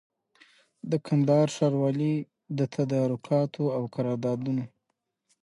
پوري د کندهار ښاروالۍ د تدارکاتو او قراردادونو